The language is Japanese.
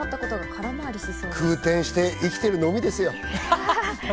空転して生きているのみですよ。